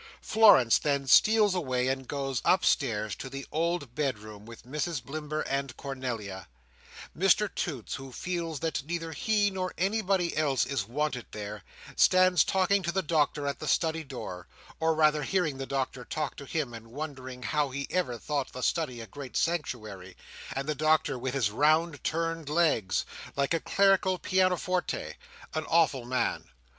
Florence then steals away and goes upstairs to the old bedroom with Mrs Blimber and Cornelia; Mr Toots, who feels that neither he nor anybody else is wanted there, stands talking to the Doctor at the study door, or rather hearing the Doctor talk to him, and wondering how he ever thought the study a great sanctuary, and the Doctor, with his round turned legs, like a clerical pianoforte, an awful man.